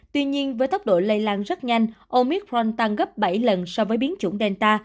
tuy nhiên với tốc độ lây lan rất nhanh omicron tăng gấp bảy lần so với biến chủng delta